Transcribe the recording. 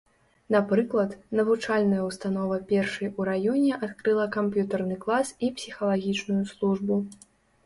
Напрыклад, навучальная ўстанова першай у раёне адкрыла камп'ютарны клас і псіхалагічную службу.